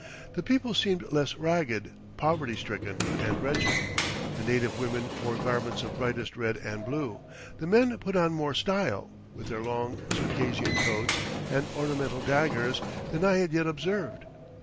The people seemed less 'ragged, poverty stricken, and wretched; the native women wore garments of brightest red and blue; the men put on more style, with their long Circassian coats and ornamental daggers, than I had yet observed.